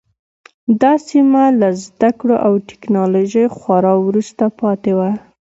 دا سیمه له زده کړو او ټکنالوژۍ خورا وروسته پاتې وه.